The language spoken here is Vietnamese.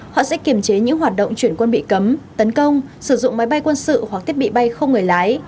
họ sẽ kiểm chế những hoạt động chuyển quân bị cấm tấn công sử dụng máy bay quân sự hoặc thiết bị bay không người lái